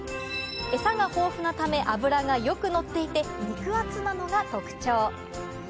えさが豊富なため、脂がよくのっていて、肉厚なのが特徴。